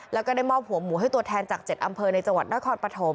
แล้วก็ได้มอบหัวหมูให้ตัวแทนจาก๗อำเภอในจังหวัดนครปฐม